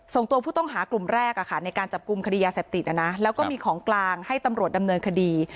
ส่งตัวผู้ต้องหากลุ่มแรกในการจับกลุ่มคดียาเสพติดแล้วก็มีของกลางให้ตำรวจดำเนินคดี